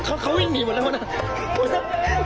อะมีเพื่อนละ